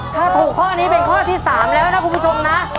ถ้าถูกข้อนี้เป็นข้อที่๓แล้วนะคุณผู้ชมนะ